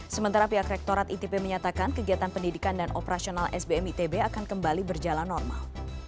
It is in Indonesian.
sementara pihak rektorat itp menyatakan kegiatan pendidikan dan operasional sbm itb akan kembali berjalan normal